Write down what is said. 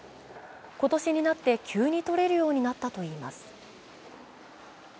今年になって、急にとれるようになったといいます。